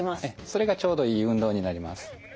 それがちょうどいい運動になります。